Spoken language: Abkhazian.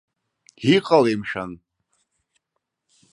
Иҟалеи, мшәан?!